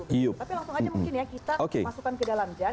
tapi langsung aja mungkin ya kita masukkan ke dalam jaz